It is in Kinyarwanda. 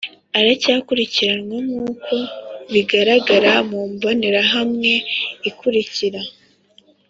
Aracyakurikiranwa nk’uko bigaragara mu mbonerahamwe ikurikira